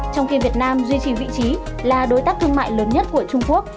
trong khi việt nam duy trì vị trí là đối tác thương mại lớn nhất của trung quốc